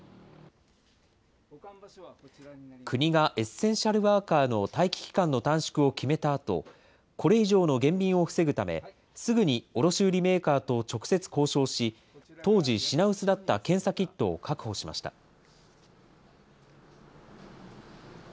国がエッセンシャルワーカーの待機期間の短縮を決めたあと、これ以上の減便を防ぐため、すぐに卸売りメーカーと直接交渉し、当時、品薄だった検査キットを確保しました。